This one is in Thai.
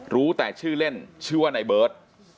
รู้แต่ชื่อเล่นชื่อว่าในเบิร์ต